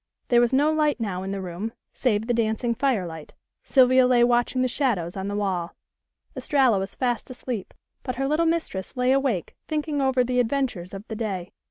There was no light now in the room save the dancing firelight, Sylvia lay watching the shadows on the wall. Estralla was fast asleep, but her little mistress lay awake thinking over the adventures of the day.